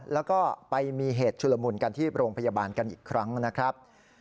แล้วก็ไปมีเหตุชุลมุนกันที่โรงพยาบาลกันอีกครั้งนะครับ